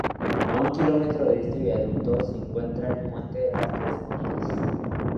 A un kilómetro de este viaducto se encuentra el Puente de las Tres Fuentes.